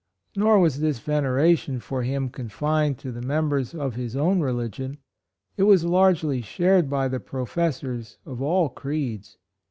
Nor was this veneration for him con fined to the members of his own religion, it was largely shared by the professors of all creeds.